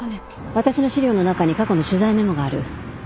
私の資料の中に過去の取材メモがある。